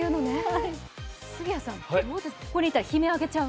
杉谷さん、ここにいたら悲鳴上げちゃう？